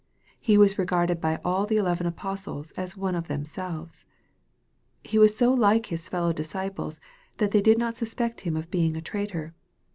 He was regarded by all the eleven apostles as one of themselves. He was so like his fellow disciples, that they did not suspect him of being a traitor.